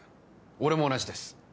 俺も同じです